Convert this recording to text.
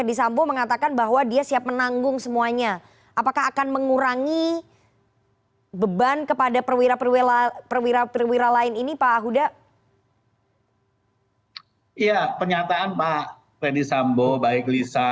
iya penyataan pak fedy sambo baik tulisan maupun tertulis